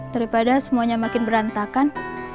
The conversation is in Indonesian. daripada semuanya makin berantakan